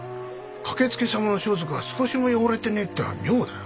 駆けつけ様の装束が少しも汚れてねえってのは妙だ。